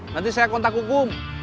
nanti saya kontak hukum